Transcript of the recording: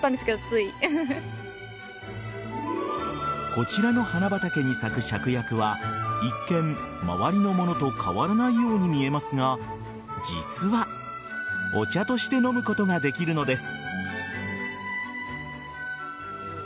こちらの花畑に咲くシャクヤクは一見、周りのものと変わらないように見えますが実は、お茶として飲むことができるのです。